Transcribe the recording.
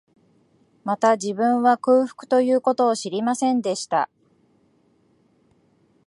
また、自分は、空腹という事を知りませんでした